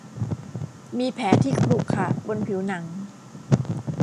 มีแผลที่ขรุขระบนผิวหนัง